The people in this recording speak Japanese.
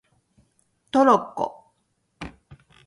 トロッコ